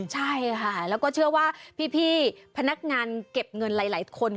ใช่ค่ะแล้วก็เชื่อว่าพี่พนักงานเก็บเงินหลายคน